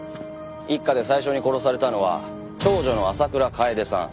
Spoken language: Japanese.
一家で最初に殺されたのは長女の浅倉楓さん。